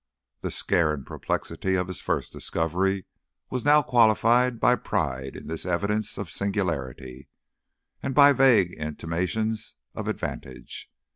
The scare and perplexity of his first discovery was now qualified by pride in this evidence of singularity and by vague intimations of advantage.